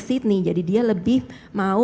sydney jadi dia lebih mau